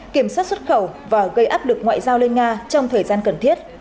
kiểm soát xuất khẩu và gây áp lực ngoại giao lên nga trong thời gian cần thiết